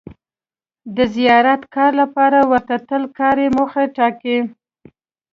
د زیات کار لپاره ورته تل کاري موخه ټاکي.